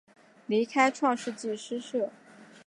离开创世纪诗社。